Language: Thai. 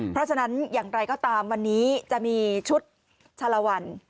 เพราะฉะนั้นอย่างไรก็ตามวันนี้จะมีชุดชะละวัน